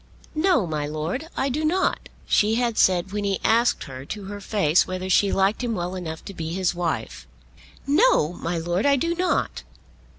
"No; my Lord, I do not," she had said when he asked her to her face whether she liked him well enough to be his wife. "No; my Lord, I do not."